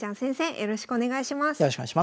よろしくお願いします。